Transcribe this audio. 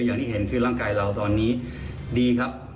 อย่างที่เห็นคือร่างกายเราตอนนี้ดีครับ